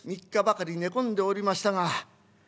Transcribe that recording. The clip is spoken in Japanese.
３日ばかり寝込んでおりましたが。